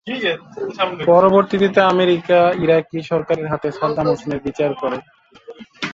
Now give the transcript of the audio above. পরবর্তিতে আমেরিকা ইরাকি সরকারের হাতে সাদ্দাম হোসেনের বিচার করে।